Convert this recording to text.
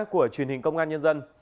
của truyền hình công an nhân dân